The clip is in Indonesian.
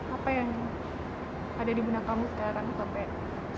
apa yang ada di benak kamu sekarang sampai